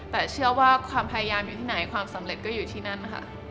แต่เชื่อว่าความพยายามอยู่ที่ไหนความสำเร็จก็อยู่ที่นั่นค่ะ